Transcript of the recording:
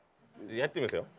やってみますよ。